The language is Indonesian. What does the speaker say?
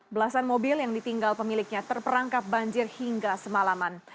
belasan mobil yang ditinggal pemiliknya terperangkap banjir hingga semalaman